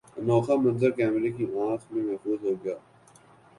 انوکھا منظر کیمرے کی آنکھ میں محفوظ ہوگیا